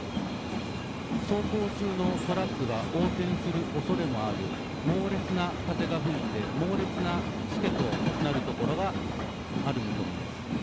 走行中のトラックが横転するおそれもある猛烈な風が吹いて猛烈なしけとなるところがある見込みです。